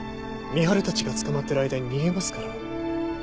深春たちが捕まっている間に逃げますから。